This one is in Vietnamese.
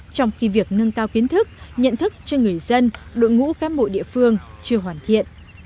trong khi việc nâng cao kiến thức nhận thức cho người dân đội ngũ cán bộ địa phương chưa hoàn thiện